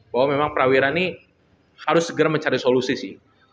bahwa memang prawira ini harus segera mencari solusi sih